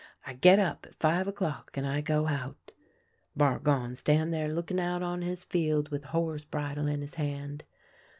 I get up at five o'clock, an' I go hout. Bargon stan' there looking out on his field wath the horse bridle in his hand.